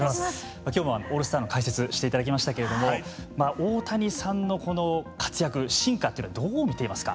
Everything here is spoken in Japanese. オールスターの解説していただきましたけれども大谷さんのこの活躍進化というのはどう見ていますか。